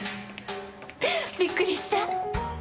びっくりした？